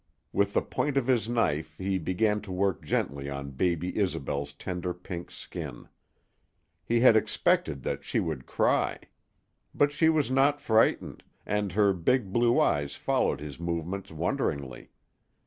With the point of his knife he began to work gently on baby Isobel's tender pink skin. He had expected that she would cry. But she was not frightened, and her big blue eyes followed his movements wonderingly.